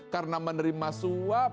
karena menerima suatu